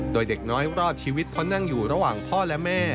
โดยเด็กน้อยรอดชีวิตเพราะนั่งอยู่ระหว่างพ่อและแม่